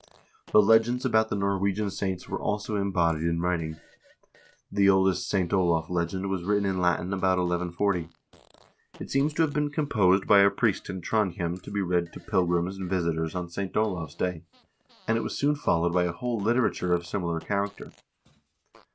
The legends about the Norwegian saints were also embodied in writing. The oldest St. Olav legend * was written in Latin about 1140. It seems to have been composed by a priest in Trondhjem to be read to pilgrims and visitors on St. Olav's day, and it was soon followed by a whole literature of similar char acter.